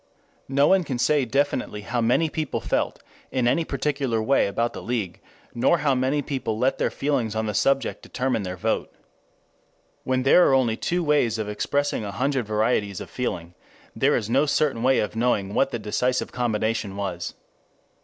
No one can say definitely how many people felt in any particular way about the League, nor how many people let their feelings on that subject determine their vote. When there are only two ways of expressing a hundred varieties of feeling, there is no certain way of knowing what the decisive combination was.